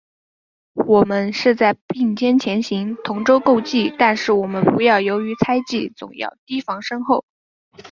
我们是在并肩前行，同舟共济，但是我们不要由于猜疑，总要提防身后。